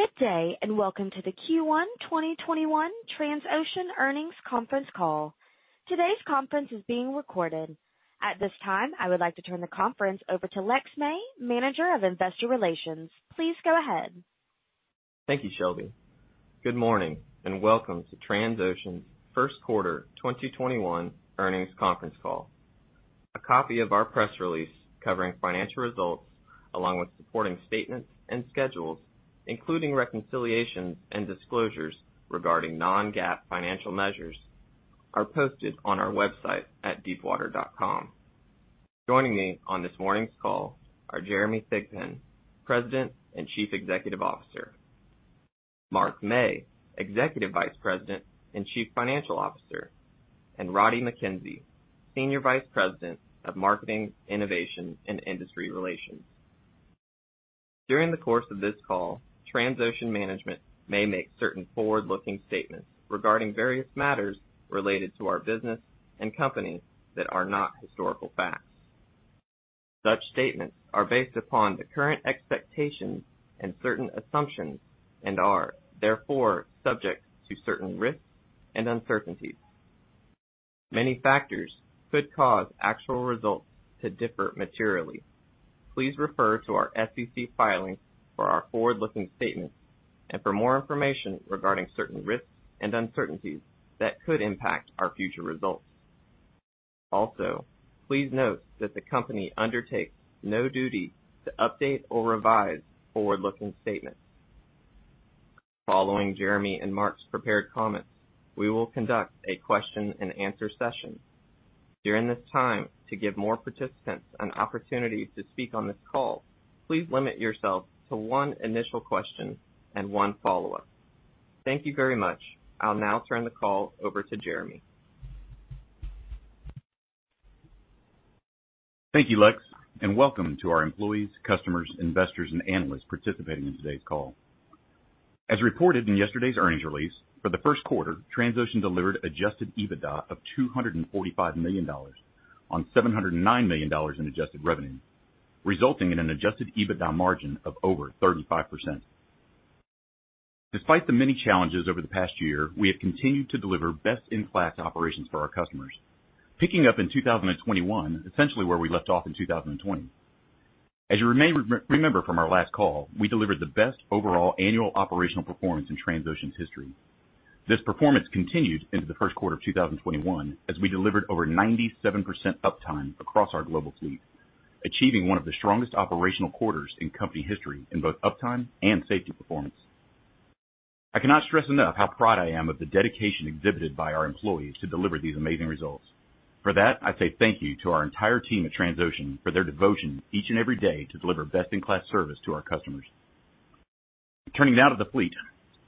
Good day, and welcome to the Q1 2021 Transocean Earnings Conference Call. Today's conference is being recorded. At this time, I would like to turn the conference over to Lex May, Manager of Investor Relations. Please go ahead. Thank you, Shelby. Good morning, and welcome to Transocean's first quarter 2021 earnings conference call. A copy of our press release covering financial results, along with supporting statements and schedules, including reconciliations and disclosures regarding non-GAAP financial measures, are posted on our website at deepwater.com. Joining me on this morning's call are Jeremy Thigpen, President and Chief Executive Officer, Mark Mey, Executive Vice President and Chief Financial Officer, and Roddie Mackenzie, Senior Vice President of Marketing, Innovation, and Industry Relations. During the course of this call, Transocean Management may make certain forward-looking statements regarding various matters related to our business and company that are not historical facts. Such statements are based upon the current expectations and certain assumptions, and are therefore subject to certain risks and uncertainties. Many factors could cause actual results to differ materially. Please refer to our SEC filings for our forward-looking statements and for more information regarding certain risks and uncertainties that could impact our future results. Also, please note that the company undertakes no duty to update or revise forward-looking statements. Following Jeremy and Mark's prepared comments, we will conduct a question and answer session. During this time, to give more participants an opportunity to speak on this call, please limit yourself to one initial question and one follow-up. Thank you very much. I'll now turn the call over to Jeremy. Thank you, Lex, and welcome to our employees, customers, investors, and analysts participating in today's call. As reported in yesterday's earnings release, for the first quarter, Transocean delivered adjusted EBITDA of $245 million on $709 million in adjusted revenue, resulting in an adjusted EBITDA margin of over 35%. Despite the many challenges over the past year, we have continued to deliver best-in-class operations for our customers, picking up in 2021 essentially where we left off in 2020. As you remember from our last call, we delivered the best overall annual operational performance in Transocean's history. This performance continued into the first quarter of 2021 as we delivered over 97% uptime across our global fleet, achieving one of the strongest operational quarters in company history in both uptime and safety performance. I cannot stress enough how proud I am of the dedication exhibited by our employees to deliver these amazing results. For that, I say thank you to our entire team at Transocean for their devotion each and every day to deliver best-in-class service to our customers. Turning now to the fleet.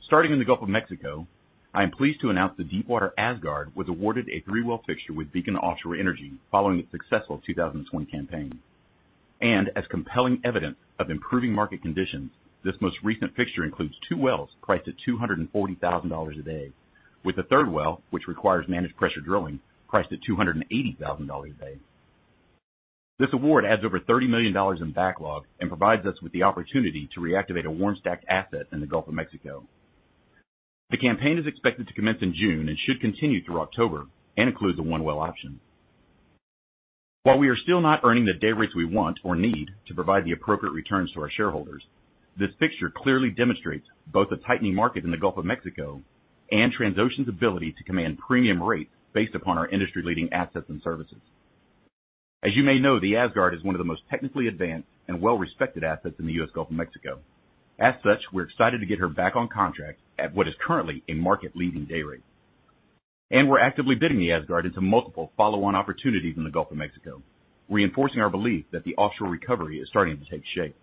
Starting in the Gulf of Mexico, I am pleased to announce the Deepwater Asgard was awarded a three-well fixture with Beacon Offshore Energy following the successful 2021 campaign. As compelling evidence of improving market conditions, this most recent fixture includes two wells priced at $240,000 a day, with the third well, which requires managed pressure drilling, priced at $280,000 a day. This award adds over $30 million in backlog and provides us with the opportunity to reactivate a warm stack asset in the Gulf of Mexico. The campaign is expected to commence in June and should continue through October and includes a one-well option. While we are still not earning the day rates we want or need to provide the appropriate returns to our shareholders, this fixture clearly demonstrates both a tightening market in the Gulf of Mexico and Transocean's ability to command premium rates based upon our industry-leading assets and services. As you may know, the Asgard is one of the most technically advanced and well-respected assets in the U.S. Gulf of Mexico. As such, we're excited to get her back on contract at what is currently a market-leading day rate. We're actively bidding the Asgard into multiple follow-on opportunities in the Gulf of Mexico, reinforcing our belief that the offshore recovery is starting to take shape.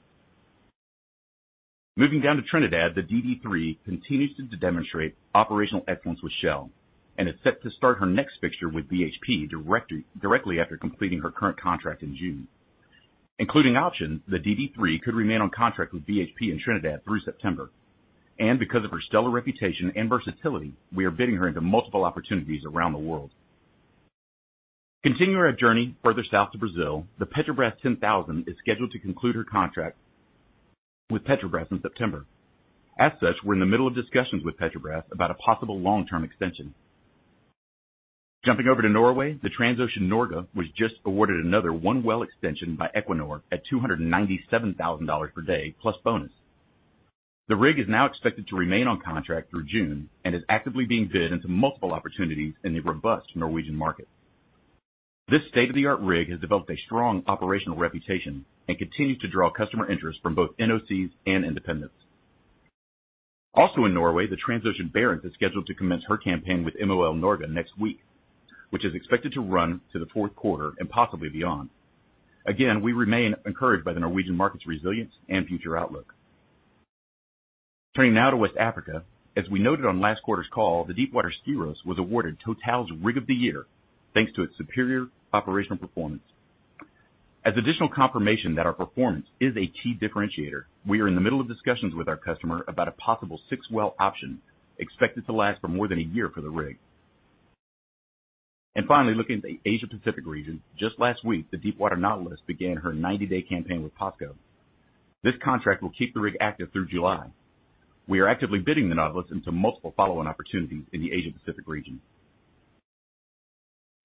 Moving down to Trinidad, the DD3 continues to demonstrate operational excellence with Shell and is set to start her next fixture with BHP directly after completing her current contract in June. Including options, the DD3 could remain on contract with BHP in Trinidad through September. Because of her stellar reputation and versatility, we are bidding her into multiple opportunities around the world. Continuing our journey further south to Brazil, the Petrobras 10000 is scheduled to conclude her contract with Petrobras in September. As such, we're in the middle of discussions with Petrobras about a possible long-term extension. Jumping over to Norway, the Transocean Norge was just awarded another one-well extension by Equinor at $297,000 per day plus bonus. The rig is now expected to remain on contract through June and is actively being bid into multiple opportunities in the robust Norwegian market. This state-of-the-art rig has developed a strong operational reputation and continues to draw customer interest from both NOCs and independents. Also in Norway, the Transocean Barents is scheduled to commence her campaign with MOL Norge next week, which is expected to run to the fourth quarter and possibly beyond. Again, we remain encouraged by the Norwegian market's resilience and future outlook. Turning now to West Africa. As we noted on last quarter's call, the Deepwater Skyros was awarded TotalEnergies' Rig of the Year, thanks to its superior operational performance. As additional confirmation that our performance is a key differentiator, we are in the middle of discussions with our customer about a possible six-well option expected to last for more than a year for the rig. Finally, looking at the Asia-Pacific region, just last week, the Deepwater Nautilus began her 90-day campaign with POSCO. This contract will keep the rig active through July. We are actively bidding the Nautilus into multiple follow-on opportunities in the Asia-Pacific region.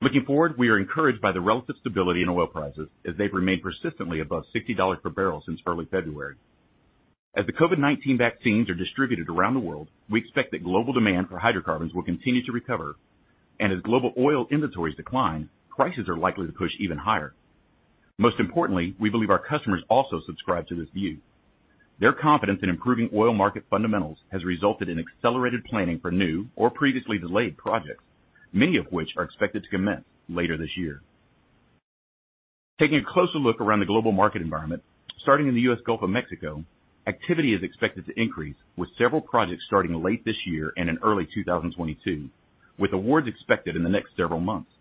Looking forward, we are encouraged by the relative stability in oil prices as they've remained persistently above $60 per barrel since early February. As the COVID-19 vaccines are distributed around the world, we expect that global demand for hydrocarbons will continue to recover. As global oil inventories decline, prices are likely to push even higher. Most importantly, we believe our customers also subscribe to this view. Their confidence in improving oil market fundamentals has resulted in accelerated planning for new or previously delayed projects, many of which are expected to commence later this year. Taking a closer look around the global market environment, starting in the U.S. Gulf of Mexico, activity is expected to increase with several projects starting late this year and in early 2022, with awards expected in the next several months.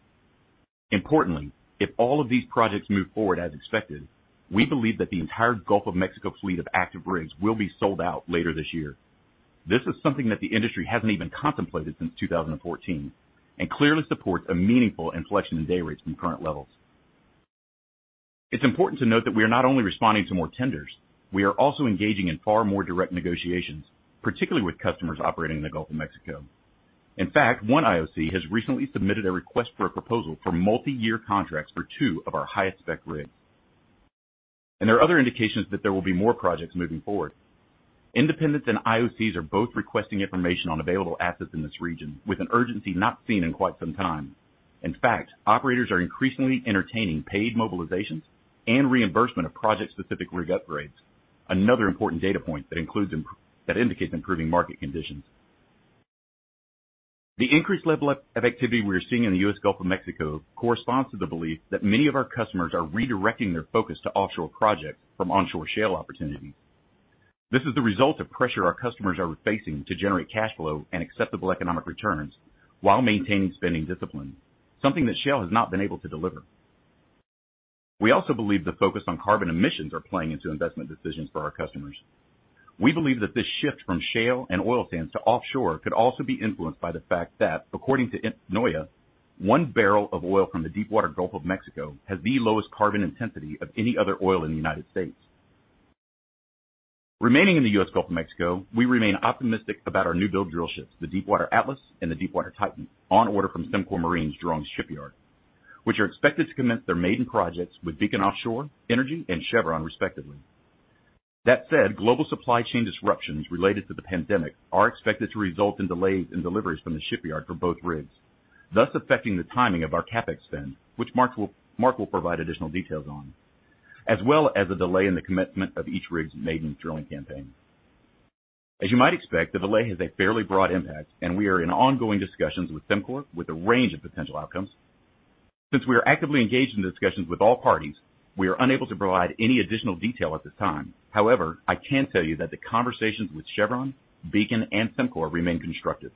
Importantly, if all of these projects move forward as expected, we believe that the entire Gulf of Mexico fleet of active rigs will be sold out later this year. This is something that the industry hasn't even contemplated since 2014 and clearly supports a meaningful inflection in day rates from current levels. It's important to note that we are not only responding to more tenders, we are also engaging in far more direct negotiations, particularly with customers operating in the Gulf of Mexico. In fact, one IOC has recently submitted a request for a proposal for multi-year contracts for two of our highest-spec rigs. There are other indications that there will be more projects moving forward. Independents and IOCs are both requesting information on available assets in this region with an urgency not seen in quite some time. In fact, operators are increasingly entertaining paid mobilizations and reimbursement of project-specific rig upgrades. Another important data point that indicates improving market conditions. The increased level of activity we are seeing in the U.S. Gulf of Mexico corresponds to the belief that many of our customers are redirecting their focus to offshore projects from onshore shale opportunities. This is the result of pressure our customers are facing to generate cash flow and acceptable economic returns while maintaining spending discipline, something that shale has not been able to deliver. We also believe the focus on carbon emissions are playing into investment decisions for our customers. We believe that this shift from shale and oil sands to offshore could also be influenced by the fact that according to NOIA, one barrel of oil from the Deepwater Gulf of Mexico has the lowest carbon intensity of any other oil in the United States. Remaining in the U.S. Gulf of Mexico, we remain optimistic about our newbuild drill ships, the Deepwater Atlas and the Deepwater Titan, on order from Sembcorp Marine's drum shipyard. Which are expected to commence their maiden projects with Beacon Offshore Energy and Chevron, respectively. That said, global supply chain disruptions related to the pandemic are expected to result in delays in deliveries from the shipyard for both rigs, thus affecting the timing of our CapEx spend, which Mark will provide additional details on, as well as a delay in the commencement of each rig's maiden drilling campaign. As you might expect, the delay has a fairly broad impact, and we are in ongoing discussions with Sembcorp with a range of potential outcomes. Since we are actively engaged in discussions with all parties, we are unable to provide any additional detail at this time. However, I can tell you that the conversations with Chevron, Beacon, and Sembcorp remain constructive.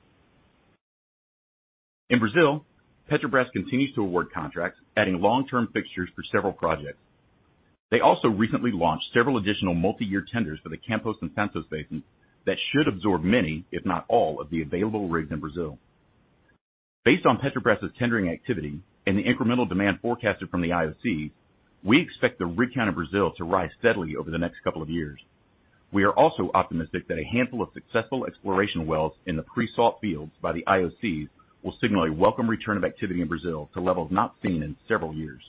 In Brazil, Petrobras continues to award contracts, adding long-term fixtures for several projects. They also recently launched several additional multi-year tenders for the Campos and Santos basins that should absorb many, if not all, of the available rigs in Brazil. Based on Petrobras' tendering activity and the incremental demand forecasted from the IOCs, we expect the rig count in Brazil to rise steadily over the next couple of years. We are also optimistic that a handful of successful exploration wells in the pre-salt fields by the IOCs will signal a welcome return of activity in Brazil to levels not seen in several years.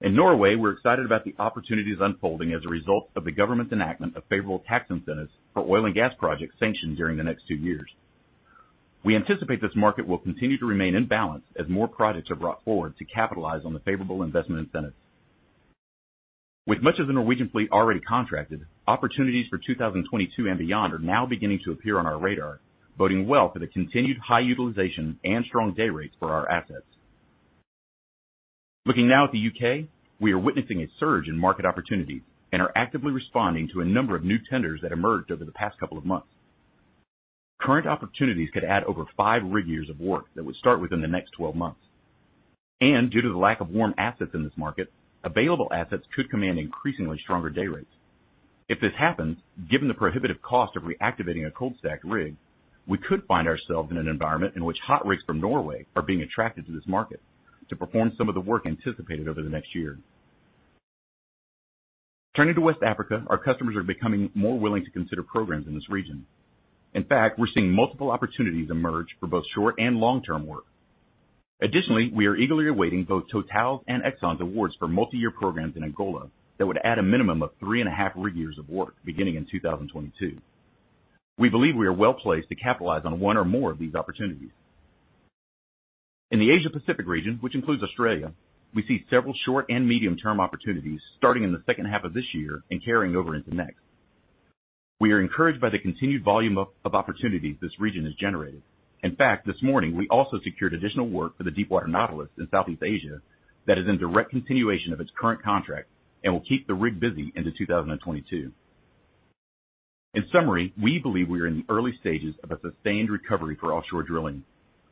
In Norway, we're excited about the opportunities unfolding as a result of the government's enactment of favorable tax incentives for oil and gas projects sanctioned during the next two years. We anticipate this market will continue to remain in balance as more projects are brought forward to capitalize on the favorable investment incentives. With much of the Norwegian fleet already contracted, opportunities for 2022 and beyond are now beginning to appear on our radar, boding well for the continued high utilization and strong day rates for our assets. Looking now at the U.K., we are witnessing a surge in market opportunity and are actively responding to a number of new tenders that emerged over the past couple of months. Current opportunities could add over 5 rig years of work that would start within the next 12 months. Due to the lack of warm assets in this market, available assets could command increasingly stronger day rates. If this happens, given the prohibitive cost of reactivating a cold-stacked rig, we could find ourselves in an environment in which hot rigs from Norway are being attracted to this market to perform some of the work anticipated over the next year. Turning to West Africa, our customers are becoming more willing to consider programs in this region. In fact, we're seeing multiple opportunities emerge for both short- and long-term work. Additionally, we are eagerly awaiting both Total's and Exxon's awards for multi-year programs in Angola that would add a minimum of three and a half rig years of work beginning in 2022. We believe we are well-placed to capitalize on one or more of these opportunities. In the Asia-Pacific region, which includes Australia, we see several short- and medium-term opportunities starting in the second half of this year and carrying over into next. We are encouraged by the continued volume of opportunities this region has generated. In fact, this morning, we also secured additional work for the Deepwater Nautilus in Southeast Asia that is in direct continuation of its current contract and will keep the rig busy into 2022. In summary, we believe we are in the early stages of a sustained recovery for offshore drilling.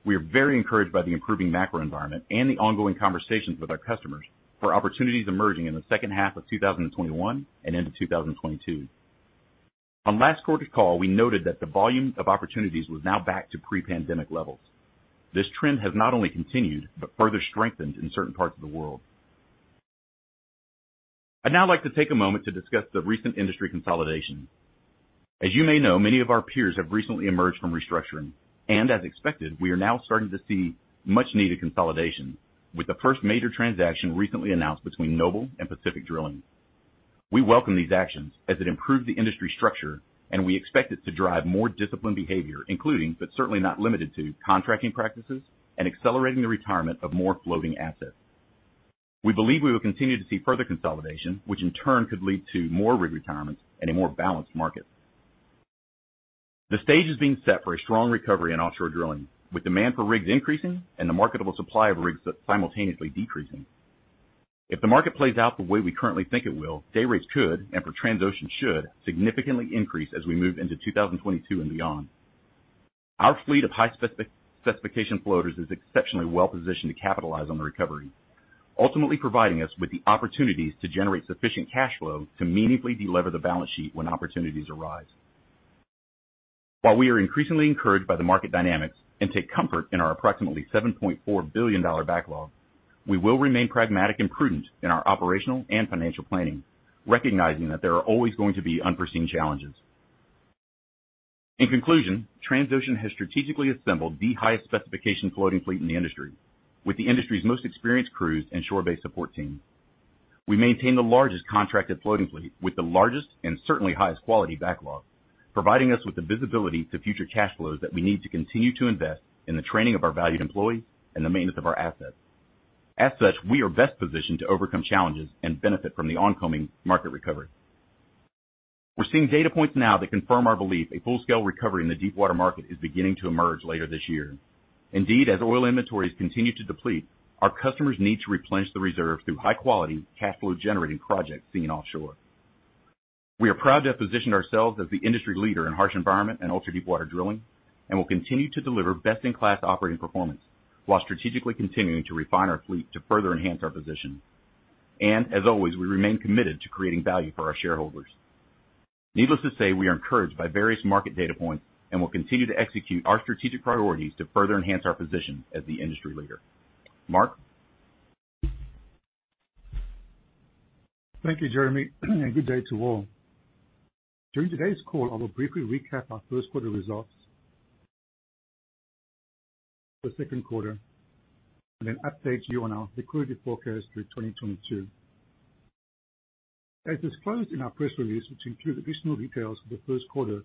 We are very encouraged by the improving macro environment and the ongoing conversations with our customers for opportunities emerging in the second half of 2021 and into 2022. On last quarter's call, we noted that the volume of opportunities was now back to pre-pandemic levels. This trend has not only continued but further strengthened in certain parts of the world. I'd now like to take a moment to discuss the recent industry consolidation. As you may know, many of our peers have recently emerged from restructuring, and as expected, we are now starting to see much-needed consolidation, with the first major transaction recently announced between Noble and Pacific Drilling. We welcome these actions as it improves the industry structure, and we expect it to drive more disciplined behavior, including, but certainly not limited to, contracting practices and accelerating the retirement of more floating assets. We believe we will continue to see further consolidation, which in turn could lead to more rig retirements and a more balanced market. The stage is being set for a strong recovery in offshore drilling, with demand for rigs increasing and the marketable supply of rigs simultaneously decreasing. If the market plays out the way we currently think it will, day rates could, and for Transocean should, significantly increase as we move into 2022 and beyond. Our fleet of high-specification floaters is exceptionally well-positioned to capitalize on the recovery, ultimately providing us with the opportunities to generate sufficient cash flow to meaningfully delever the balance sheet when opportunities arise. While we are increasingly encouraged by the market dynamics and take comfort in our approximately $7.4 billion backlog, we will remain pragmatic and prudent in our operational and financial planning, recognizing that there are always going to be unforeseen challenges. In conclusion, Transocean has strategically assembled the highest specification floating fleet in the industry, with the industry's most experienced crews and shore-based support team. We maintain the largest contracted floating fleet with the largest and certainly highest quality backlog, providing us with the visibility to future cash flows that we need to continue to invest in the training of our valued employees and the maintenance of our assets. As such, we are best positioned to overcome challenges and benefit from the oncoming market recovery. We're seeing data points now that confirm our belief a full-scale recovery in the deepwater market is beginning to emerge later this year. Indeed, as oil inventories continue to deplete, our customers need to replenish the reserve through high-quality cash flow-generating projects being offshore. We are proud to have positioned ourselves as the industry leader in harsh environment and ultra-deepwater drilling and will continue to deliver best-in-class operating performance while strategically continuing to refine our fleet to further enhance our position. As always, we remain committed to creating value for our shareholders. Needless to say, we are encouraged by various market data points and will continue to execute our strategic priorities to further enhance our position as the industry leader. Mark? Thank you, Jeremy. Good day to all. During today's call, I will briefly recap our first quarter results, the second quarter, then update you on our liquidity forecast through 2022. As disclosed in our press release, which includes additional details for the first quarter of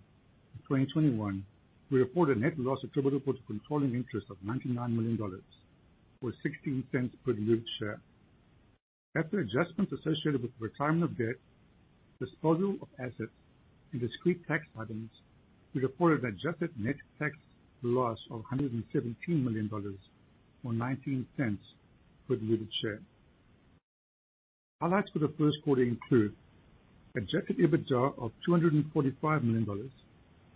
2021, we report a net loss attributable to controlling interest of $99 million or $0.16 per diluted share. After adjustments associated with the retirement of debt, disposal of assets, and discrete tax items, we reported adjusted net tax loss of $117 million or $0.19 per diluted share. Highlights for the first quarter include: adjusted EBITDA of $245 million,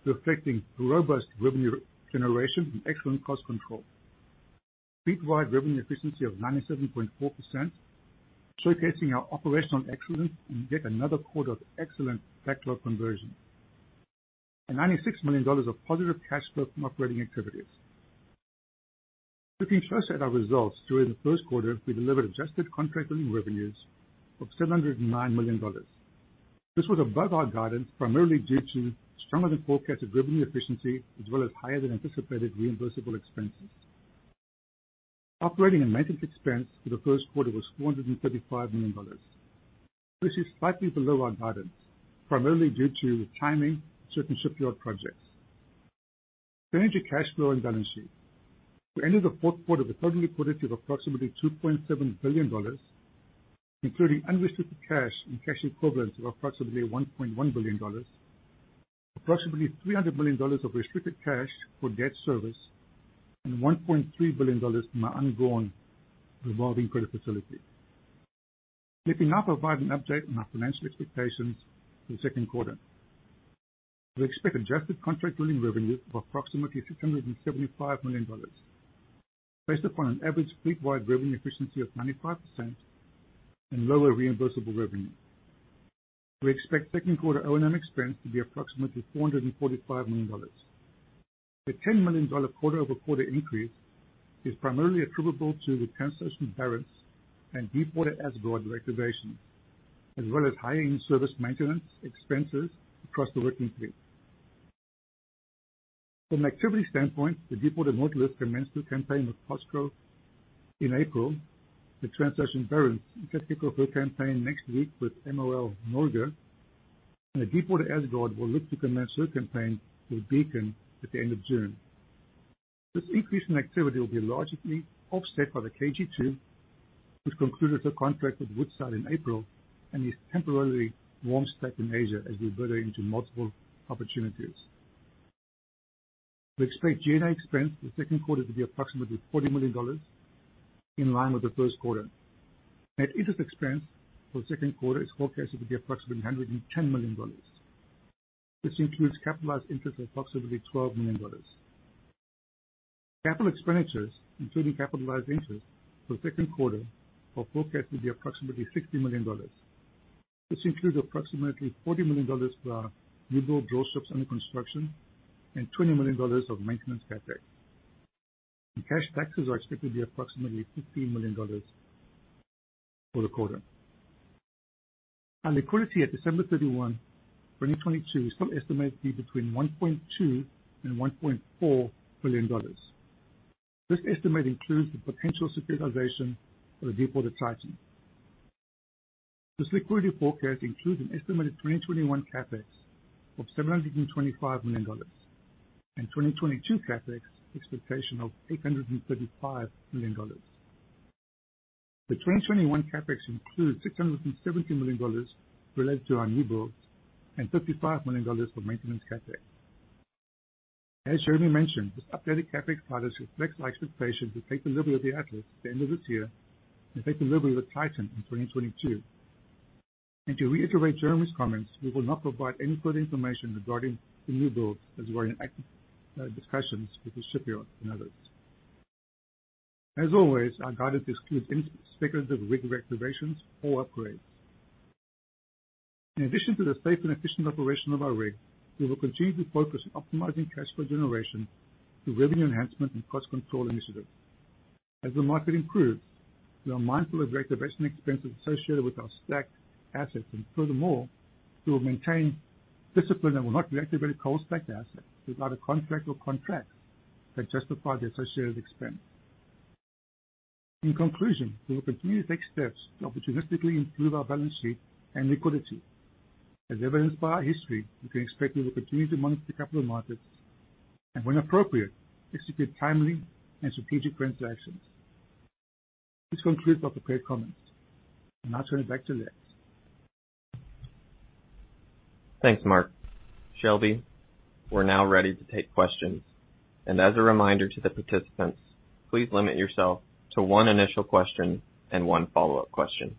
reflecting robust revenue generation and excellent cost control. Fleet-wide revenue efficiency of 97.4%, showcasing our operational excellence in yet another quarter of excellent backlog conversion. $96 million of positive cash flow from operating activities. Looking first at our results during the first quarter, we delivered adjusted contract drilling revenues of $709 million. This was above our guidance, primarily due to stronger than forecasted revenue efficiency, as well as higher than anticipated reimbursable expenses. Operating and maintenance expense for the first quarter was $435 million. This is slightly below our guidance, primarily due to timing of certain shipyard projects. Turning to cash flow and balance sheet. We ended the first quarter with total liquidity of approximately $2.7 billion, including unrestricted cash and cash equivalents of approximately $1.1 billion, approximately $300 million of restricted cash for debt service, and $1.3 billion from our undrawn revolving credit facility. Let me now provide an update on our financial expectations for the second quarter. We expect adjusted contract drilling revenue of approximately $675 million, based upon an average fleet-wide revenue efficiency of 95% and lower reimbursable revenue. We expect second quarter O&M expense to be approximately $445 million. The $10 million quarter-over-quarter increase is primarily attributable to the Transocean Barents and Deepwater Asgard reactivation, as well as higher in-service maintenance expenses across the working fleet. From an activity standpoint, the Deepwater Nautilus commenced her campaign with POSCO in April, the Transocean Barents is set to kick off her campaign next week with MOL Norge, and the Deepwater Asgard will look to commence her campaign with Beacon at the end of June. This increase in activity will be largely offset by the KG2, which concluded her contract with Woodside in April and is temporarily warm stacked in Asia as we bid into multiple opportunities. We expect G&A expense for the second quarter to be approximately $40 million, in line with the first quarter. Net interest expense for the second quarter is forecasted to be approximately $110 million. This includes capitalized interest of approximately $12 million. Capital expenditures, including capitalized interest for the second quarter, our forecast will be approximately $60 million. This includes approximately $40 million for our newbuild drill ships under construction and $20 million of maintenance CapEx. Cash taxes are expected to be approximately $15 million for the quarter. Our liquidity at December 31, 2022, is still estimated to be between $1.2 billion-$1.4 billion. This estimate includes the potential securitization of the Deepwater Titan. This liquidity forecast includes an estimated 2021 CapEx of $725 million and 2022 CapEx expectation of $835 million. The 2021 CapEx includes $670 million related to our newbuild and $55 million for maintenance CapEx. As Jeremy mentioned, this updated CapEx guidance reflects our expectations to take delivery of the Atlas at the end of this year and take delivery of the Titan in 2022. To reiterate Jeremy's comments, we will not provide any further information regarding the newbuild as we are in active discussions with the shipyards and others. As always, our guidance excludes any speculative rig reactivations or upgrades. In addition to the safe and efficient operation of our rigs, we will continue to focus on optimizing cash flow generation through revenue enhancement and cost control initiatives. As the market improves, we are mindful of reactivation expenses associated with our stacked assets. Furthermore, we will maintain discipline and will not reactivate a cold stacked asset without a contract or contracts that justify the associated expense. In conclusion, we will continue to take steps to opportunistically improve our balance sheet and liquidity. As evidenced by our history, you can expect we will continue to monitor the capital markets, and when appropriate, execute timely and strategic transactions. This concludes our prepared comments. I'll now turn it back to Lex May. Thanks, Mark. Shelby, we're now ready to take questions. As a reminder to the participants, please limit yourself to one initial question and one follow-up question.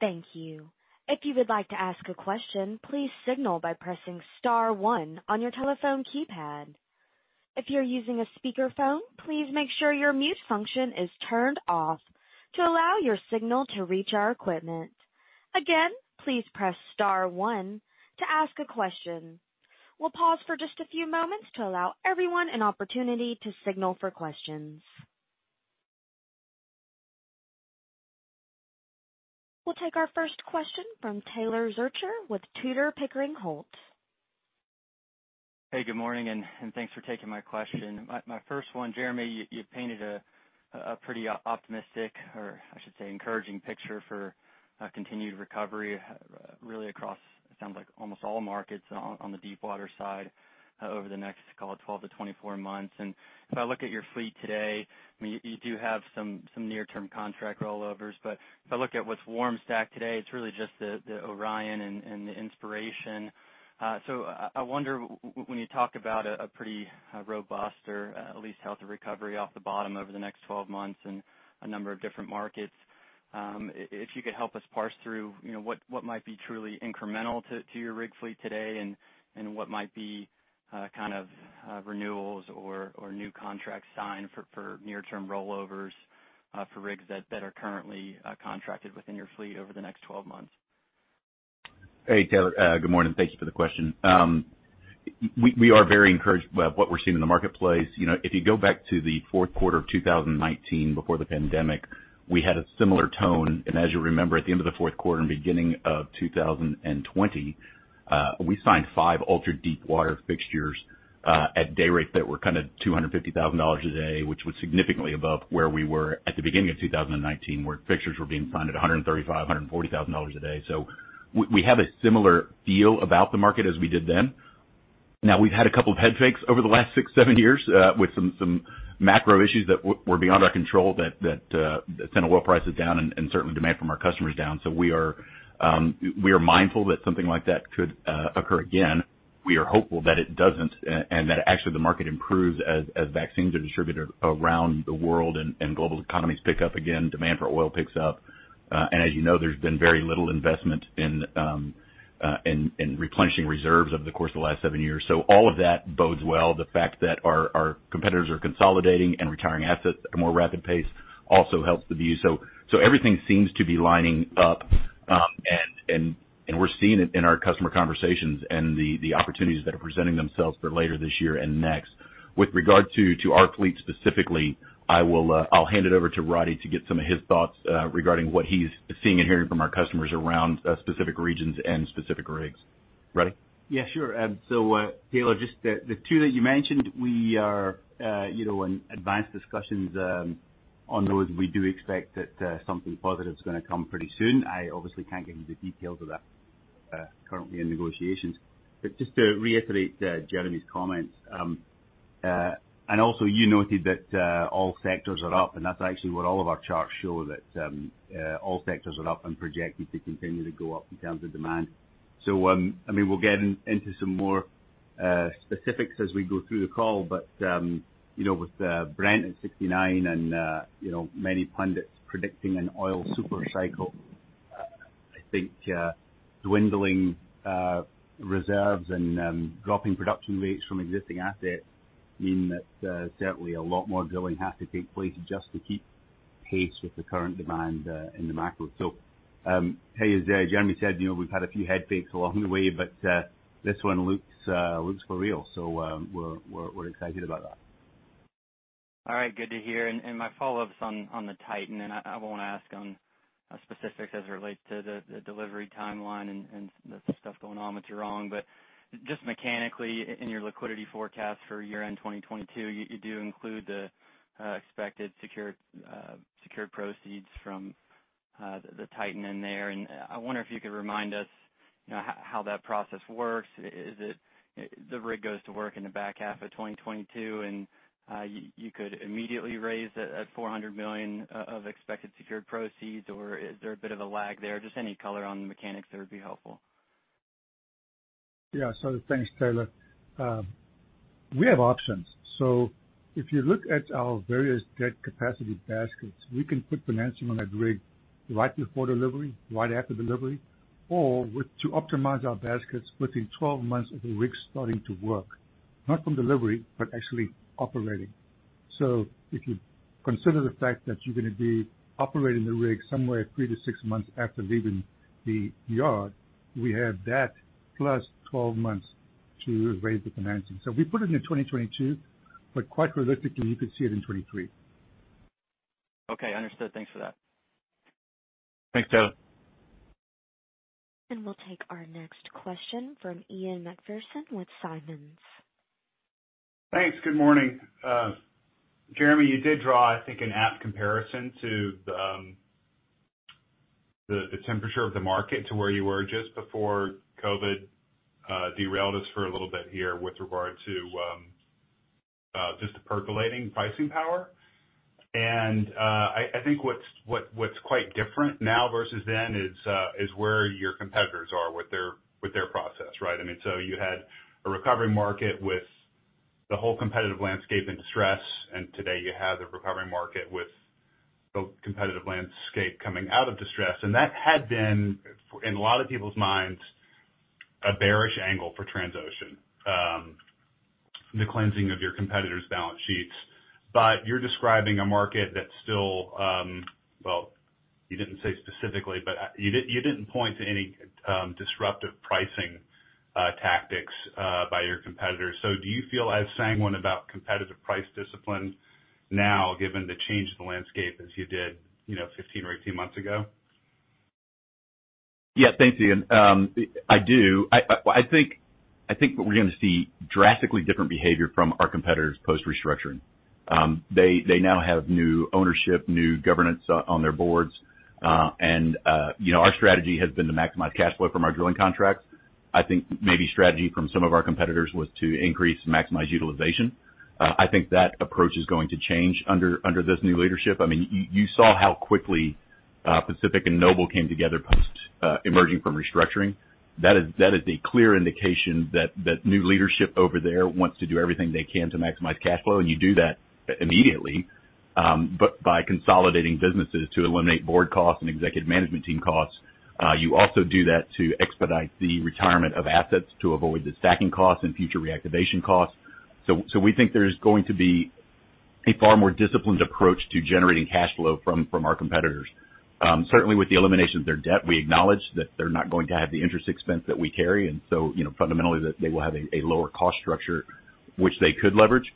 Thank you. If you would like to ask a question, please signal by pressing star one on your telephone keypad. If you're using a speakerphone, please make sure your mute function is turned off to allow your signal to reach our equipment. Again, please press star one to ask a question. We'll pause for just a few moments to allow everyone an opportunity to signal for questions. We'll take our first question from Taylor Zurcher with Tudor, Pickering, Holt. Hey, good morning, and thanks for taking my question. My first one, Jeremy Thigpen, you painted a pretty optimistic, or I should say, encouraging picture for a continued recovery really across, it sounds like almost all markets on the deepwater side over the next, call it, 12-24 months. If I look at your fleet today, you do have some near-term contract rollovers. If I look at what's warm stacked today, it's really just the Orion and the Inspiration. I wonder, when you talk about a pretty robust or at least healthy recovery off the bottom over the next 12 months in a number of different markets, if you could help us parse through what might be truly incremental to your rig fleet today, and what might be renewals or new contracts signed for near-term rollovers for rigs that are currently contracted within your fleet over the next 12 months? Hey, Taylor. Good morning. Thank you for the question. We are very encouraged by what we're seeing in the marketplace. If you go back to the fourth quarter of 2019, before the pandemic, we had a similar tone. As you remember, at the end of the fourth quarter and beginning of 2020, we signed five ultra-deepwater fixtures at day rates that were $250,000 a day, which was significantly above where we were at the beginning of 2019, where fixtures were being signed at $135,000-$140,000 a day. We have a similar feel about the market as we did then. Now, we've had a couple of head fakes over the last six, seven years with some macro issues that were beyond our control that sent oil prices down and certainly demand from our customers down. We are mindful that something like that could occur again. We are hopeful that it doesn't and that actually the market improves as vaccines are distributed around the world and global economies pick up again, demand for oil picks up. As you know, there's been very little investment in replenishing reserves over the course of the last seven years. All of that bodes well. The fact that our competitors are consolidating and retiring assets at a more rapid pace also helps the view. Everything seems to be lining up, and we're seeing it in our customer conversations and the opportunities that are presenting themselves for later this year and next. With regard to our fleet specifically, I'll hand it over to Roddie to get some of his thoughts regarding what he's seeing and hearing from our customers around specific regions and specific rigs. Roddie? Yeah, sure. Taylor, just the two that you mentioned, we are in advanced discussions on those, and we do expect that something positive is going to come pretty soon. I obviously can't get into the details of that. Currently in negotiations. Just to reiterate Jeremy's comments, and also you noted that all sectors are up, and that's actually what all of our charts show, that all sectors are up and projected to continue to go up in terms of demand. We'll get into some more specifics as we go through the call, but with Brent at $69 and many pundits predicting an oil super cycle I think dwindling reserves and dropping production rates from existing assets mean that certainly a lot more drilling has to take place just to keep pace with the current demand in the market. As Jeremy said, we've had a few head fakes along the way, but this one looks real. We're excited about that. All right, good to hear. My follow-up's on the Titan, and I won't ask on specifics as it relates to the delivery timeline and the stuff going on with Jurong. Just mechanically, in your liquidity forecast for year-end 2022, you do include the expected secured proceeds from the Titan in there. I wonder if you could remind us how that process works. Is it the rig goes to work in the back half of 2022 and you could immediately raise that $400 million of expected secured proceeds, or is there a bit of a lag there? Just any color on the mechanics there would be helpful. Thanks, Taylor. We have options. If you look at our various debt capacity baskets, we can put financing on that rig right before delivery, right after delivery, or to optimize our baskets within 12 months of the rig starting to work, not from delivery, but actually operating. If you consider the fact that you're going to be operating the rig somewhere three to six months after leaving the yard, we have that plus 12 months to raise the financing. We put it in 2022, but quite realistically, you could see it in 2023. Okay, understood. Thanks for that. Thanks, Taylor. We'll take our next question from Ian Macpherson with Simmons. Thanks. Good morning. Jeremy, you did draw, I think, an apt comparison to the temperature of the market to where you were just before COVID derailed us for a little bit here with regard to just the percolating pricing power. I think what's quite different now versus then is where your competitors are with their process, right? You had a recovering market with the whole competitive landscape in distress, today you have the recovering market with the competitive landscape coming out of distress. That had been, in a lot of people's minds, a bearish angle for Transocean, the cleansing of your competitors' balance sheets. You're describing a market that's still, well, you didn't say specifically, but you didn't point to any disruptive pricing tactics by your competitors. Do you feel as sanguine about competitive price discipline now given the change in the landscape as you did 15 or 18 months ago? Thanks, Ian. I do. I think we're going to see drastically different behavior from our competitors post-restructuring. They now have new ownership, new governance on their boards. Our strategy has been to maximize cash flow from our drilling contracts. I think maybe strategy from some of our competitors was to increase and maximize utilization. I think that approach is going to change under this new leadership. You saw how quickly Pacific Drilling and Noble Corporation came together post emerging from restructuring. That is a clear indication that new leadership over there wants to do everything they can to maximize cash flow. You do that immediately. By consolidating businesses to eliminate board costs and executive management team costs, you also do that to expedite the retirement of assets to avoid the stacking costs and future reactivation costs. We think there's going to be a far more disciplined approach to generating cash flow from our competitors. Certainly with the elimination of their debt, we acknowledge that they're not going to have the interest expense that we carry, fundamentally, they will have a lower cost structure, which they could leverage.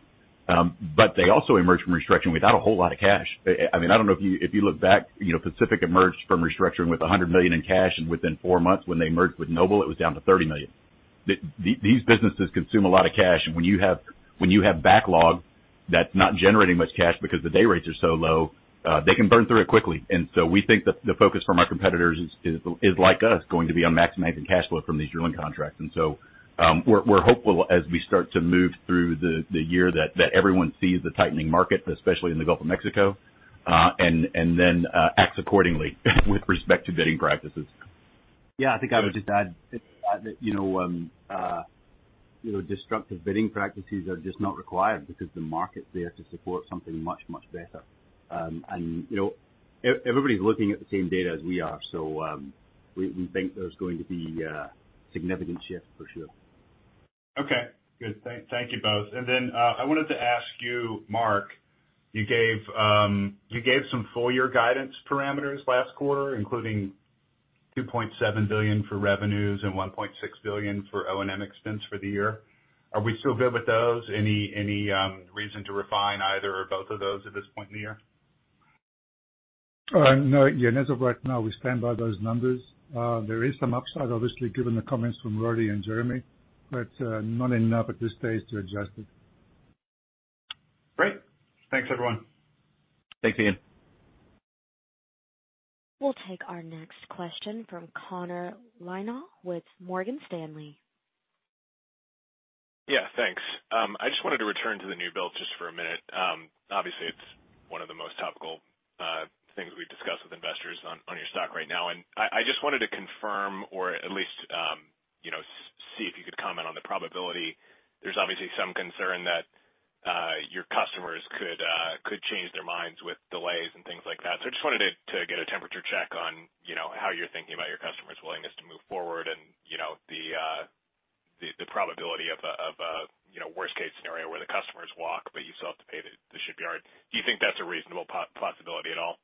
They also emerge from restructuring without a whole lot of cash. I don't know if you look back, Pacific emerged from restructuring with $100 million in cash, and within four months when they merged with Noble, it was down to $30 million. These businesses consume a lot of cash, when you have backlog that's not generating much cash because the day rates are so low, they can burn through it quickly. We think that the focus from our competitors is, like us, going to be on maximizing cash flow from these drilling contracts. We're hopeful as we start to move through the year that everyone sees the tightening market, especially in the Gulf of Mexico, and then acts accordingly with respect to bidding practices. Yeah, I think I would just add that disruptive bidding practices are just not required because the market's there to support something much, much better. Everybody's looking at the same data as we are. We think there's going to be a significant shift, for sure. Okay, good. Thank you both. I wanted to ask you, Mark, you gave some full-year guidance parameters last quarter, including $2.7 billion for revenues and $1.6 billion for O&M expense for the year. Are we still good with those? Any reason to refine either or both of those at this point in the year? No. Ian, as of right now, we stand by those numbers. There is some upside, obviously, given the comments from Roddie and Jeremy, but not enough at this stage to adjust it. Great. Thanks, everyone. Thanks, Ian. We'll take our next question from Connor Lynagh with Morgan Stanley. Yeah, thanks. I just wanted to return to the new build just for a minute. Obviously, it's one of the most topical things we discuss with investors on your stock right now. I just wanted to confirm, or at least see if you could comment on the probability. There's obviously some concern that your customers could change their minds with delays and things like that. I just wanted to get a temperature check on how you're thinking about your customers' willingness to move forward and the probability of a worst-case scenario where the customers walk but you still have to pay the shipyard. Do you think that's a reasonable possibility at all?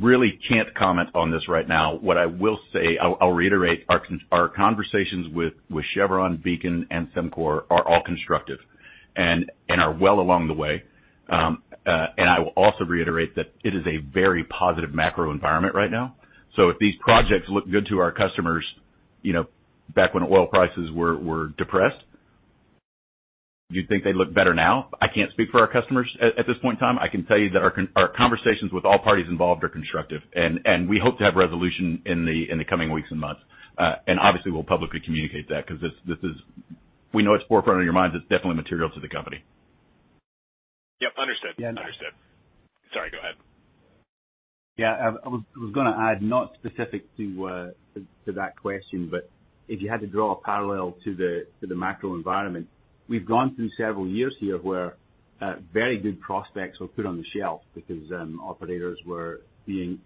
Really can't comment on this right now. What I will say, I'll reiterate our conversations with Chevron, Beacon, and Sembcorp are all constructive and are well along the way. I will also reiterate that it is a very positive macro environment right now. If these projects looked good to our customers back when oil prices were depressed, you'd think they'd look better now. I can't speak for our customers at this point in time. I can tell you that our conversations with all parties involved are constructive, and we hope to have resolution in the coming weeks and months. Obviously we'll publicly communicate that because we know it's forefront of your minds, it's definitely material to the company. Yep, understood. Yeah, and- Understood. Sorry, go ahead. Yeah. I was going to add, not specific to that question, but if you had to draw a parallel to the macro environment, we've gone through several years here where very good prospects were put on the shelf because operators were being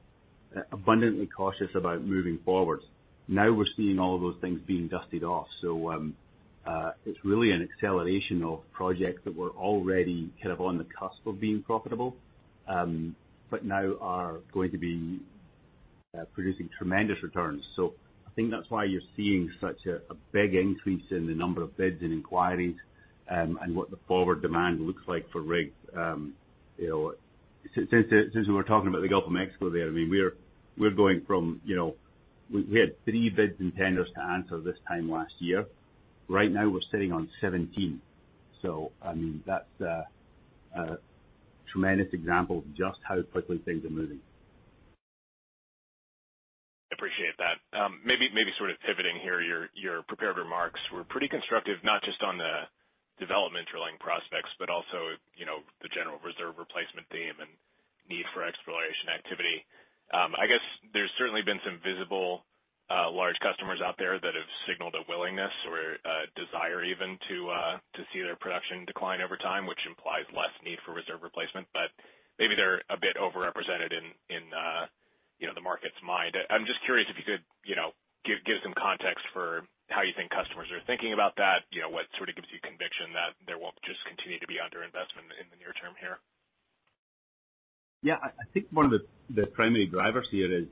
abundantly cautious about moving forward. Now we're seeing all of those things being dusted off. It's really an acceleration of projects that were already on the cusp of being profitable, but now are going to be producing tremendous returns. I think that's why you're seeing such a big increase in the number of bids and inquiries, and what the forward demand looks like for rigs. Since we're talking about the Gulf of Mexico there, we had three bids and tenders to answer this time last year. Right now, we're sitting on 17. That's a tremendous example of just how quickly things are moving. Appreciate that. Maybe sort of pivoting here, your prepared remarks were pretty constructive, not just on the development drilling prospects, but also the general reserve replacement theme and need for exploration activity. I guess there's certainly been some visible large customers out there that have signaled a willingness or a desire even to see their production decline over time, which implies less need for reserve replacement. Maybe they're a bit overrepresented in the market's mind. I'm just curious if you could give some context for how you think customers are thinking about that, what sort of gives you conviction that there won't just continue to be under-investment in the near term here? I think one of the primary drivers here is,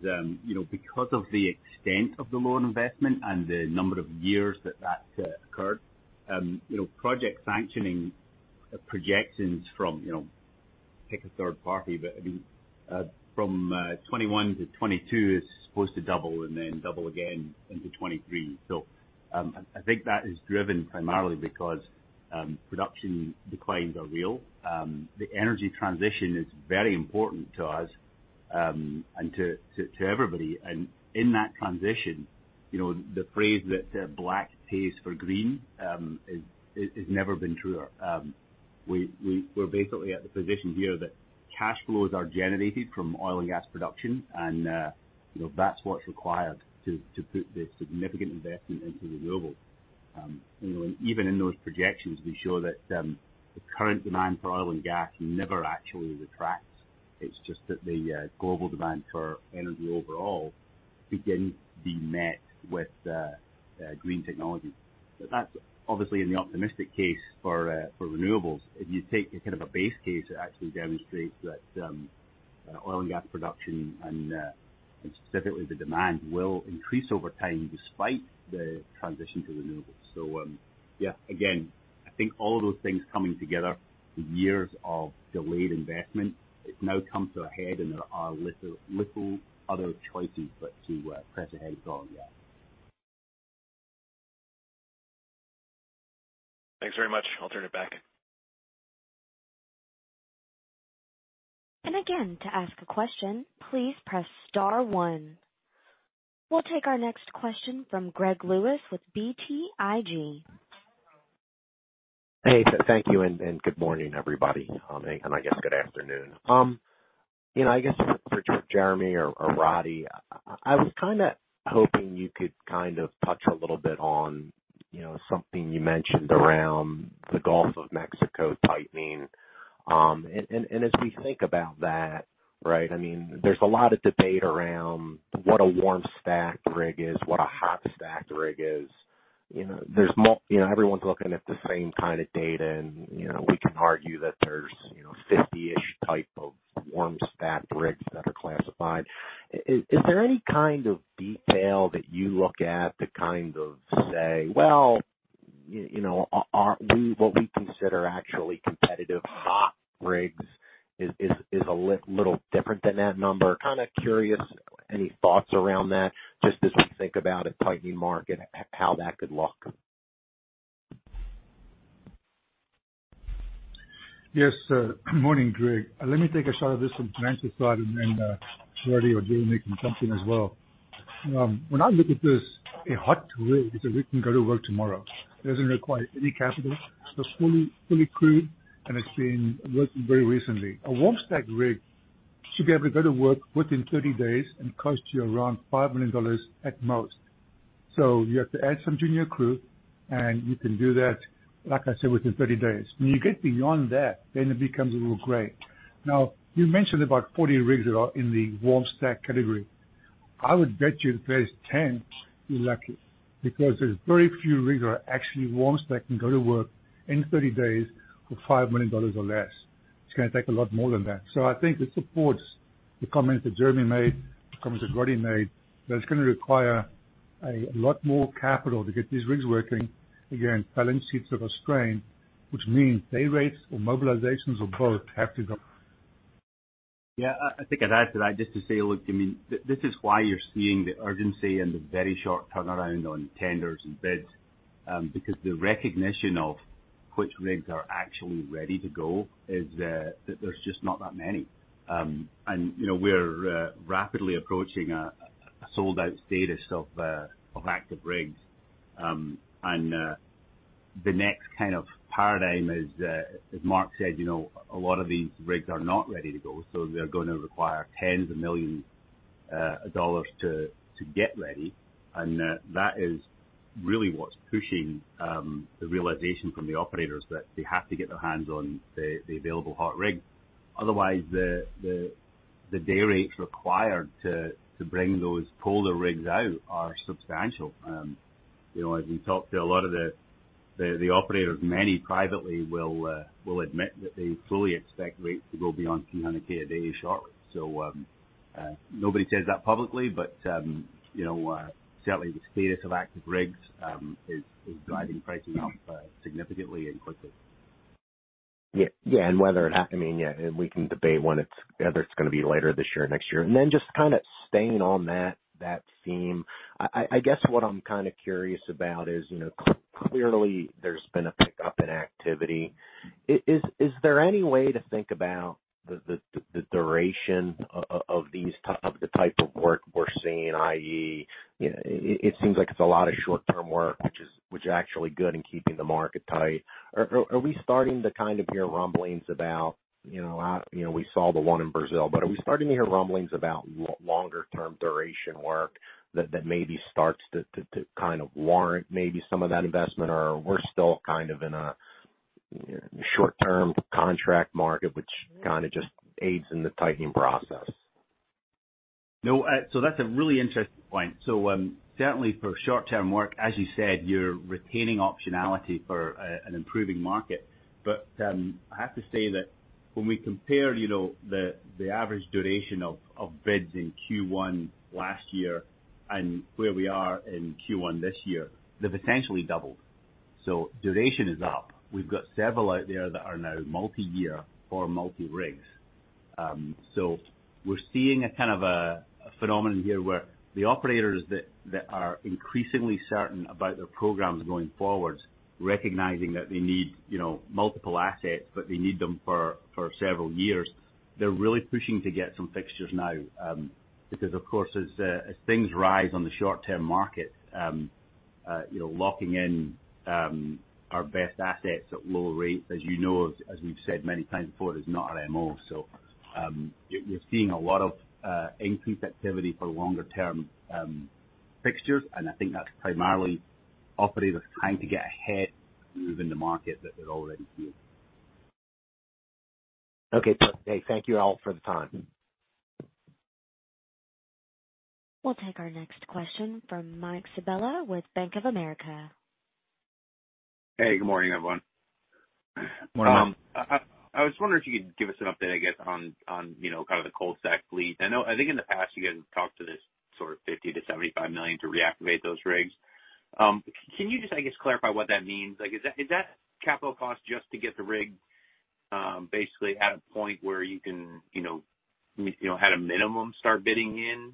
because of the extent of the loan investment and the number of years that that occurred, project sanctioning projections from, pick a third party, but from 2021 to 2022 is supposed to double and then double again into 2023. I think that is driven primarily because production declines are real. The energy transition is very important to us, and to everybody. In that transition, the phrase that black pays for green, has never been truer. We're basically at the position here that cash flows are generated from oil and gas production, and that's what's required to put the significant investment into renewables. Even in those projections, we show that the current demand for oil and gas never actually retracts. It's just that the global demand for energy overall begins being met with green technology. That's obviously in the optimistic case for renewables. If you take a base case, it actually demonstrates that oil and gas production, and specifically the demand, will increase over time despite the transition to renewables. Yeah, again, I think all of those things coming together, the years of delayed investment, it's now come to a head and there are little other choices but to press ahead with oil and gas. Thanks very much. I'll turn it back. Again, to ask a question, please press star one. We'll take our next question from Greg Lewis with BTIG. Hey, thank you, and good morning, everybody. I guess good afternoon. I guess for Jeremy or Roddie, I was kind of hoping you could touch a little bit on something you mentioned around the Gulf of Mexico tightening. As we think about that, there's a lot of debate around what a warm stacked rig is, what a hot stacked rig is. Everyone's looking at the same kind of data and we can argue that there's 50-ish type of warm stacked rigs that are classified. Is there any kind of detail that you look at to say, well, what we consider actually competitive hot rigs is a little different than that number? Kind of curious, any thoughts around that, just as we think about a tightening market, how that could look. Yes, sir. Morning, Greg. Let me take a shot at this from the financial side. Then Roddie will jump in as well. When I look at this, a hot rig is a rig that can go to work tomorrow. It doesn't require any capital. It's fully crewed. It's been working very recently. A warm stacked rig. Should be able to go to work within 30 days and cost you around $5 million at most. You have to add some junior crew, and you can do that, like I said, within 30 days. When you get beyond that, then it becomes a little gray. Now, you mentioned about 40 rigs that are in the warm stack category. I would bet you if there's 10, you're lucky, because there's very few rigs that are actually warm stacked and can go to work in 30 days for $5 million or less. It's going to take a lot more than that. I think it supports the comments that Jeremy made, the comments that Roddie made, that it's going to require a lot more capital to get these rigs working. Again, balance sheets are constrained, which means day rates or mobilizations or both have to go up. I think I'd add to that just to say, look, I mean, this is why you're seeing the urgency and the very short turnaround on tenders and bids, because the recognition of which rigs are actually ready to go is that there's just not that many. We're rapidly approaching a sold-out status of active rigs. The next kind of paradigm is, as Mark said, a lot of these rigs are not ready to go, so they're going to require tens of millions of dollars to get ready. That is really what's pushing the realization from the operators that they have to get their hands on the available hot rigs. Otherwise, the day rates required to bring those colder rigs out are substantial. We talk to a lot of the operators, many privately will admit that they fully expect rates to go beyond $300K a day shortly. Nobody says that publicly, but certainly the status of active rigs is driving pricing up significantly and quickly. Yeah. Whether it, I mean, yeah, we can debate whether it's going to be later this year or next year. Then just kind of staying on that theme, I guess what I'm kind of curious about is, clearly there's been a pickup in activity. Is there any way to think about the duration of the type of work we're seeing, i.e., it seems like it's a lot of short-term work, which is actually good in keeping the market tight. Are we starting to kind of hear rumblings about, we saw the one in Brazil, but are we starting to hear rumblings about longer term duration work that maybe starts to kind of warrant maybe some of that investment? We're still kind of in a short-term contract market, which kind of just aids in the tightening process? That's a really interesting point. Certainly for short-term work, as you said, you're retaining optionality for an improving market. I have to say that when we compare the average duration of bids in Q1 last year and where we are in Q1 this year, they've essentially doubled. Duration is up. We've got several out there that are now multi-year for multi rigs. We're seeing a kind of a phenomenon here where the operators that are increasingly certain about their programs going forward, recognizing that they need multiple assets, but they need them for several years. They're really pushing to get some fixtures now, because of course, as things rise on the short-term market, locking in our best assets at low rates, as you know, as we've said many times before, is not our MO. You're seeing a lot of increased activity for longer term fixtures, and I think that's primarily operators trying to get ahead within the market that they already see. Okay. Hey, thank you all for the time. We'll take our next question from Mike Sabella with Bank of America. Hey, good morning, everyone. Morning, Mike. I was wondering if you could give us an update, I guess, on kind of the cold stacked fleet. I think in the past, you guys have talked to this sort of $50 million-$75 million to reactivate those rigs. Can you just, I guess, clarify what that means? Is that capital cost just to get the rig basically at a point where you can, at a minimum, start bidding in?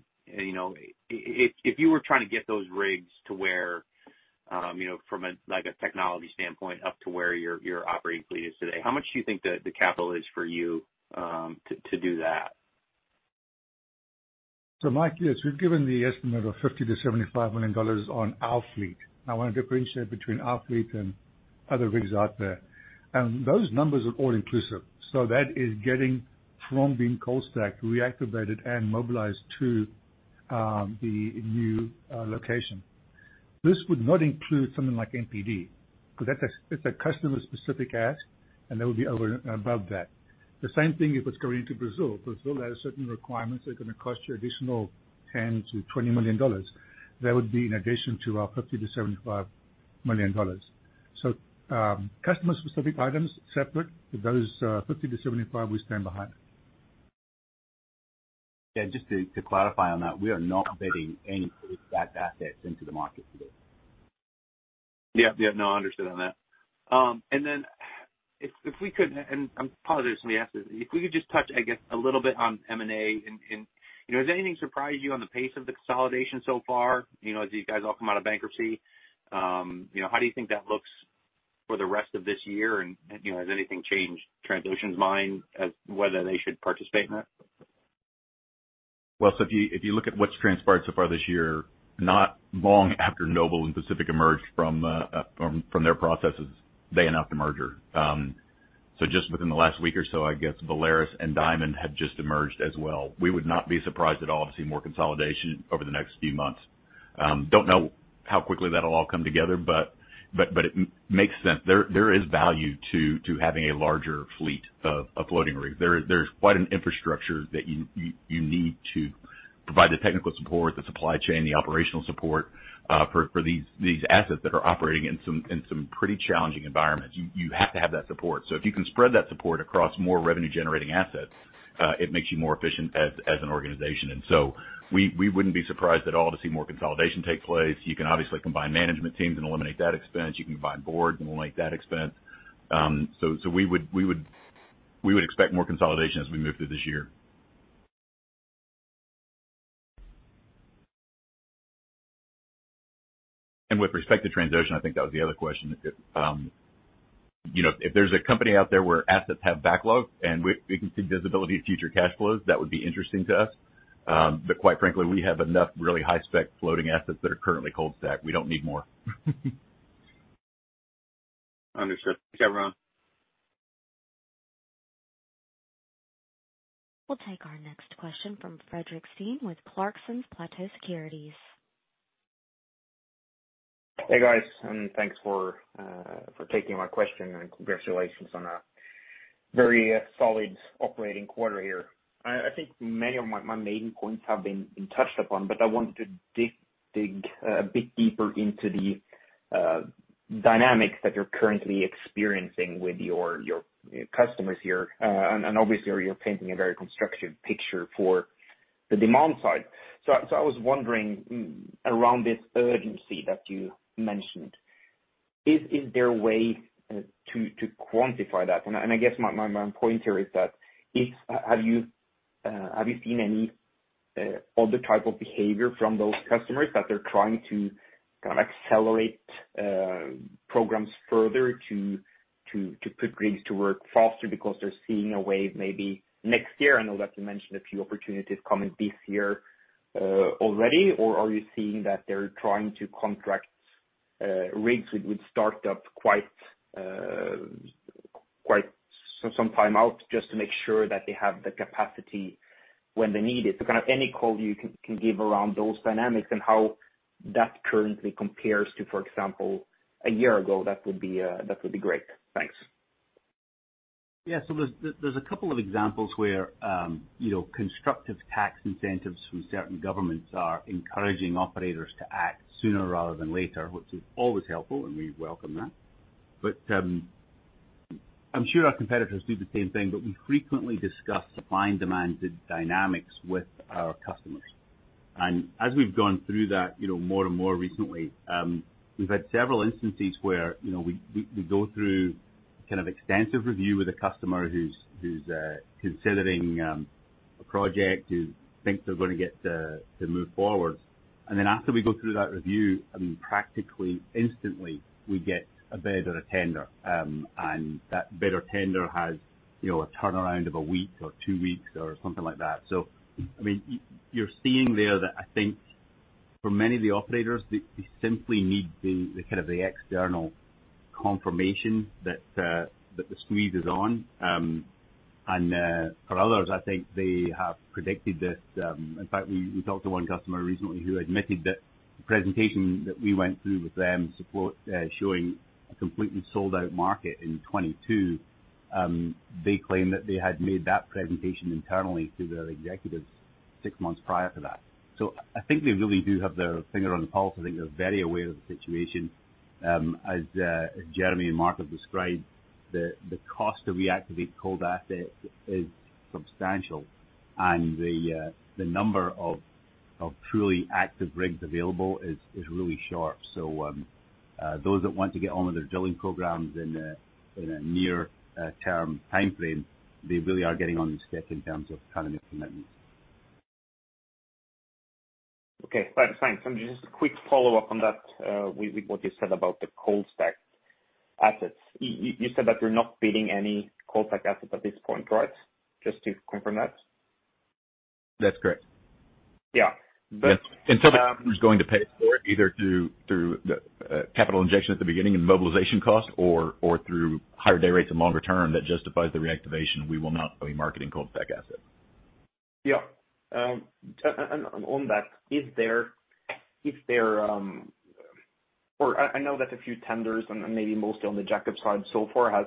If you were trying to get those rigs to where, from a technology standpoint, up to where your operating fleet is today, how much do you think the capital is for you to do that? Mike, yes, we've given the estimate of $50 million-$75 million on our fleet. I want to differentiate between our fleet and other rigs out there. Those numbers are all inclusive. That is getting from being cold stacked, reactivated, and mobilized to the new location. This would not include something like MPD, because that's a customer specific ask, and that would be over and above that. The same thing if it's going into Brazil. Brazil has certain requirements that are going to cost you additional $10 million-$20 million. That would be in addition to our $50 million-$75 million. Customer specific items, separate. Those $50 million-$75 million, we stand behind. Yeah, just to clarify on that, we are not bidding any cold stacked assets into the market today. Yeah. No, understood on that. Then if we could, and I apologize if somebody asked this, if we could just touch, I guess, a little bit on M&A. Has anything surprised you on the pace of the consolidation so far as you guys all come out of bankruptcy? How do you think that looks for the rest of this year? Has anything changed Transocean's mind as whether they should participate in it? If you look at what's transpired so far this year, not long after Noble and Pacific emerged from their processes, they announced a merger. Just within the last week or so, I guess Valaris and Diamond have just emerged as well. We would not be surprised at all to see more consolidation over the next few months. Don't know how quickly that'll all come together, but it makes sense. There is value to having a larger fleet of floating rigs. There's quite an infrastructure that you need to provide the technical support, the supply chain, the operational support, for these assets that are operating in some pretty challenging environments. You have to have that support. If you can spread that support across more revenue-generating assets, it makes you more efficient as an organization. We wouldn't be surprised at all to see more consolidation take place. You can obviously combine management teams and eliminate that expense. You can combine boards and eliminate that expense. We would expect more consolidation as we move through this year. With respect to Transocean, I think that was the other question. If there's a company out there where assets have backlog and we can see visibility of future cash flows, that would be interesting to us. Quite frankly, we have enough really high-spec floating assets that are currently cold stacked. We don't need more. Understood. Thank you, Ron. We'll take our next question from Fredrik Stene with Clarksons Platou Securities. Hey, guys, thanks for taking my question and congratulations on a very solid operating quarter here. I think many of my main points have been touched upon. I wanted to dig a bit deeper into the dynamics that you're currently experiencing with your customers here. Obviously, you're painting a very constructive picture for the demand side. I was wondering around this urgency that you mentioned, is there a way to quantify that? I guess my pointer is that, have you seen any other type of behavior from those customers that they're trying to kind of accelerate programs further to put rigs to work faster because they're seeing a wave maybe next year? I know that you mentioned a few opportunities coming this year already. Or are you seeing that they're trying to contract rigs which would start up quite some time out just to make sure that they have the capacity when they need it? Kind of any call you can give around those dynamics and how that currently compares to, for example, a year ago, that would be great? Thanks. Yeah. There's a couple of examples where constructive tax incentives from certain governments are encouraging operators to act sooner rather than later, which is always helpful, and we welcome that. I'm sure our competitors do the same thing, but we frequently discuss supply and demand dynamics with our customers. As we've gone through that more and more recently, we've had several instances where we go through kind of extensive review with a customer who's considering a project, who thinks they're going to get to move forward. After we go through that review, I mean, practically instantly, we get a bid or a tender, and that bid or tender has a turnaround of one week or two weeks or something like that. I mean, you're seeing there that I think for many of the operators, they simply need the kind of the external confirmation that the squeeze is on. For others, I think they have predicted this. In fact, we talked to one customer recently who admitted that the presentation that we went through with them support showing a completely sold-out market in 2022. They claim that they had made that presentation internally to their executives six months prior to that. I think they really do have their finger on the pulse. I think they're very aware of the situation. As Jeremy and Mark have described, the cost to reactivate cold assets is substantial, and the number of truly active rigs available is really short. Those that want to get on with their drilling programs in a near-term timeframe, they really are getting on the stick in terms of commitment. Okay. Thanks. Just a quick follow-up on that, with what you said about the cold stacked assets. You said that you're not bidding any cold stacked assets at this point, right? Just to confirm that. That's correct. Yeah. Until the customer's going to pay for it, either through the capital injection at the beginning and mobilization cost or through higher day rates and longer term that justifies the reactivation, we will not be marketing cold stacked assets. Yeah. On that, I know that a few tenders and maybe mostly on the jackup side so far has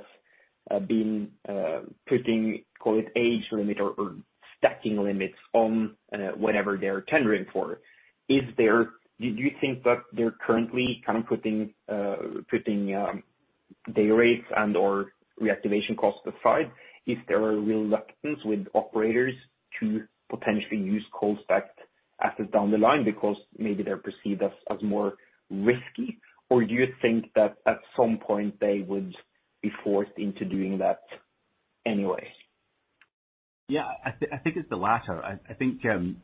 been putting, call it age limit or stacking limits on whatever they're tendering for. Do you think that they're currently kind of putting day rates and/or reactivation costs aside? Is there a reluctance with operators to potentially use cold stacked assets down the line because maybe they're perceived as more risky, or do you think that at some point they would be forced into doing that anyway? Yeah, I think it's the latter. I think when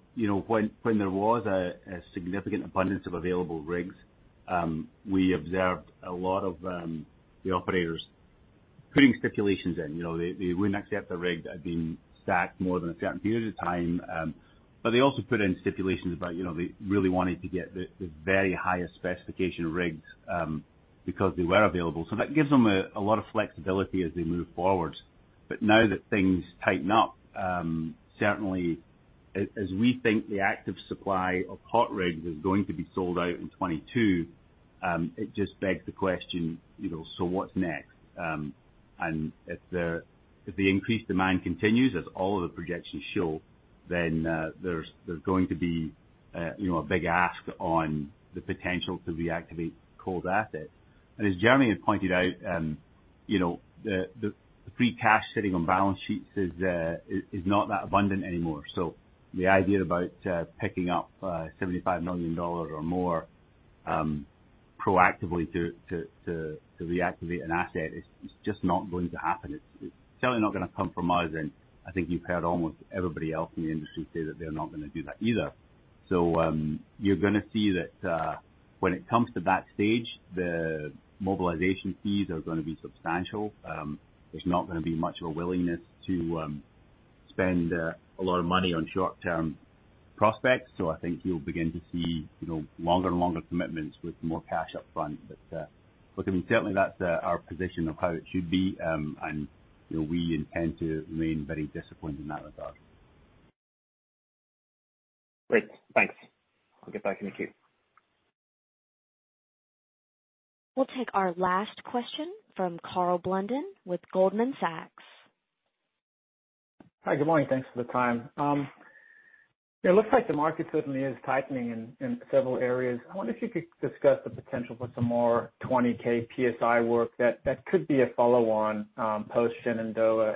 there was a significant abundance of available rigs, we observed a lot of the operators putting stipulations in. They wouldn't accept a rig that had been stacked more than a certain period of time. They also put in stipulations about they really wanted to get the very highest specification rigs, because they were available. That gives them a lot of flexibility as they move forward. Now that things tighten up, certainly as we think the active supply of hot rigs is going to be sold out in 2022, it just begs the question, what's next? If the increased demand continues, as all of the projections show, there's going to be a big ask on the potential to reactivate cold assets. As Jeremy Thigpen had pointed out, the free cash sitting on balance sheets is not that abundant anymore. The idea about picking up $75 million or more proactively to reactivate an asset is just not going to happen. It's certainly not going to come from us, and I think you've heard almost everybody else in the industry say that they're not going to do that either. You're going to see that when it comes to that stage, the mobilization fees are going to be substantial. There's not going to be much of a willingness to spend a lot of money on short-term prospects. I think you'll begin to see longer and longer commitments with more cash up front. Look, I mean, certainly that's our position of how it should be. We intend to remain very disciplined in that regard. Great. Thanks. I'll get back in the queue. We'll take our last question from Karl Blunden with Goldman Sachs. Hi. Good morning. Thanks for the time. Yeah, it looks like the market certainly is tightening in several areas. I wonder if you could discuss the potential for some more 20,000 psi work that could be a follow-on, post-Shenandoah.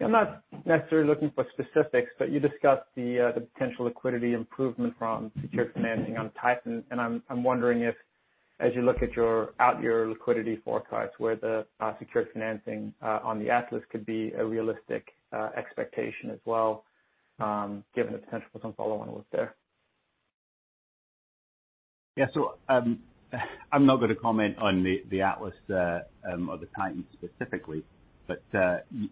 I'm not necessarily looking for specifics, but you discussed the potential liquidity improvement from secured financing on Titan, and I'm wondering if, as you look at your out-year liquidity forecasts, where the secured financing on the Atlas could be a realistic expectation as well, given the potential for some follow-on work there. Yeah. I'm not going to comment on the Atlas or the Titan specifically.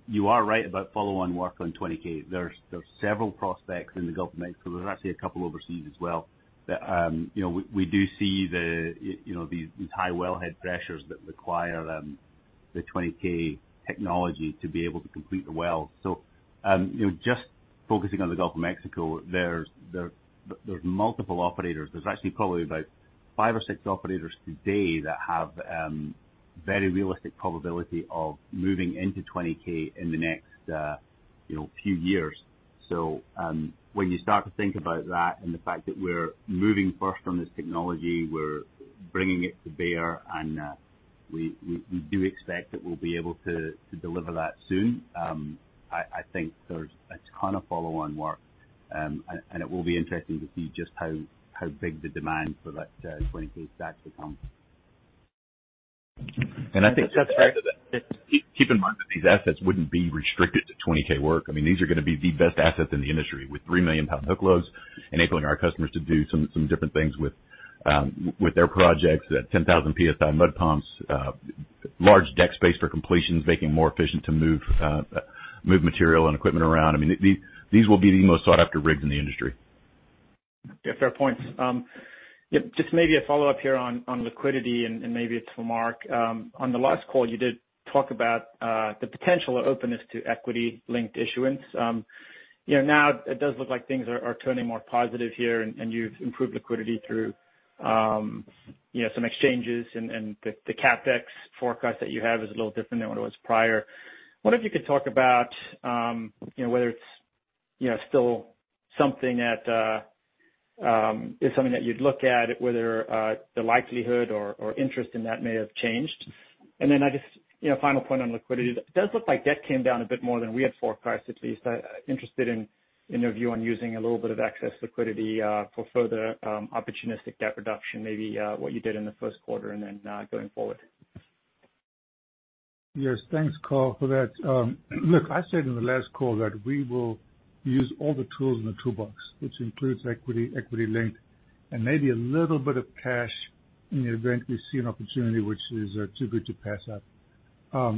You are right about follow-on work on 20k. There's several prospects in the Gulf of Mexico. There's actually a couple overseas as well that we do see these high wellhead pressures that require the 20k technology to be able to complete the well. Just focusing on the Gulf of Mexico, there's multiple operators. There's actually probably about five or six operators today that have very realistic probability of moving into 20k in the next few years. When you start to think about that and the fact that we're moving first on this technology, we're bringing it to bear, and we do expect that we'll be able to deliver that soon. I think there's a ton of follow-on work. It will be interesting to see just how big the demand for that 20k stack becomes. And I think- That's fair. Keep in mind that these assets wouldn't be restricted to 20k work. These are going to be the best assets in the industry, with 3 million lbs hook loads, enabling our customers to do some different things with their projects. That 10,000 psi mud pumps, large deck space for completions, making it more efficient to move material and equipment around. These will be the most sought-after rigs in the industry. Yeah, fair points. Yep, just maybe a follow-up here on liquidity, and maybe it's for Mark Mey. On the last call, you did talk about the potential openness to equity-linked issuance. Now it does look like things are turning more positive here and you've improved liquidity through some exchanges, and the CapEx forecast that you have is a little different than what it was prior. Wonder if you could talk about whether it's still something that you'd look at, whether the likelihood or interest in that may have changed. Just final point on liquidity. It does look like debt came down a bit more than we had forecast, at least. Interested in your view on using a little bit of excess liquidity for further opportunistic debt reduction, maybe what you did in the first quarter and then going forward. Yes. Thanks, Karl, for that. Look, I said in the last call that we will use all the tools in the toolbox, which includes equity linked, and maybe a little bit of cash in the event we see an opportunity which is too good to pass up.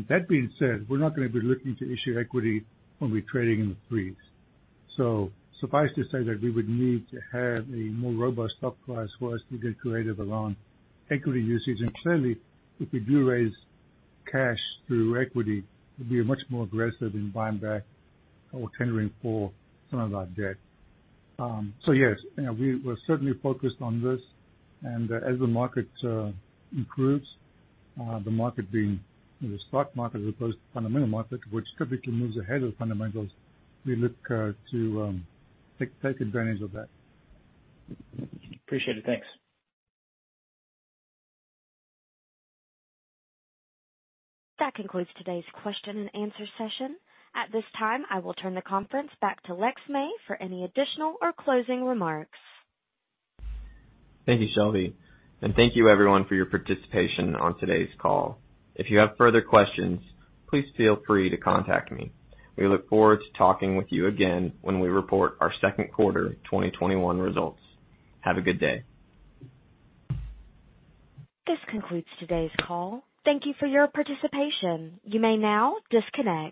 That being said, we're not going to be looking to issue equity when we're trading in the threes. Suffice to say that we would need to have a more robust stock price for us to get creative around equity usage. Clearly, if we do raise cash through equity, we'll be much more aggressive in buying back or tendering for some of our debt. Yes, we're certainly focused on this. As the market improves, the market being the stock market as opposed to fundamental market, which typically moves ahead of fundamentals, we look to take advantage of that. Appreciate it. Thanks. That concludes today's question and answer session. At this time, I will turn the conference back to Lex May for any additional or closing remarks. Thank you, Shelby. Thank you everyone for your participation on today's call. If you have further questions, please feel free to contact me. We look forward to talking with you again when we report our second quarter 2021 results. Have a good day. This concludes today's call. Thank you for your participation. You may now disconnect.